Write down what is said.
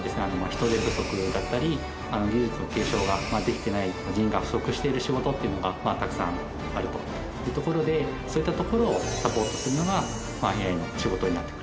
人手不足だったり技術の継承ができてない人員が不足している仕事っていうのがたくさんあるというところでそういったところをサポートするのがＡＩの仕事になってくると。